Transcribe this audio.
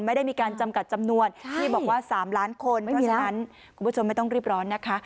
ไม่ได้มีการจำกัดจำนวนที่บอกว่า๓ล้านคนเพราะฉะนั้นคุณผู้ชมไม่ต้องรีบร้อนนะคะ